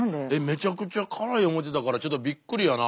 めちゃくちゃ辛い思ってたからちょっとびっくりやな。